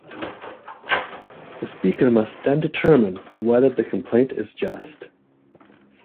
The Speaker must then determine whether the complaint is just.